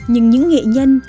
nhưng những nghệ nhân